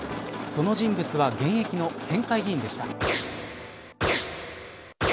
その人物は現役の県会議員でした。